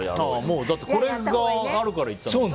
だって、これがあるから行ったんだもんね。